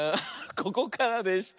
ここからでした。